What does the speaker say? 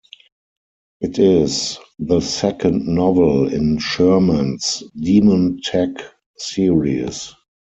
It is the second novel in Sherman's DemonTech series.